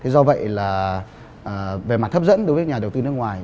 do vậy là về mặt hấp dẫn đối với nhà đầu tư nước ngoài